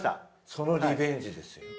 そのリベンジですよ。